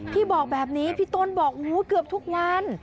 พี่บอกแบบนี้พี่ต้นบอกเกือบทุกวัน